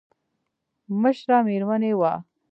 مشره مېرمن يې وه.